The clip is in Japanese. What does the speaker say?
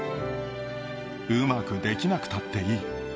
うまくできなくたっていい。